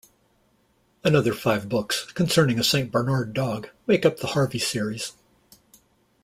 Another five books concerning a Saint Bernard dog make up the "Harvey" series.